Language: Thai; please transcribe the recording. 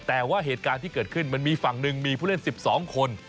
แต่ว่าเหตุการณ์ที่เกิดขึ้นมันมีฝั่งหนึ่งมีผู้เล่น๑๒คน